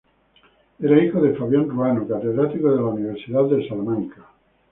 Era hijo de Fabián Ruano, catedrático de la Universidad de Salamanca.